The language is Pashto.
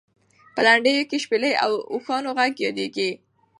په لنډیو کې د شپېلۍ او اوښانو غږ یادېږي.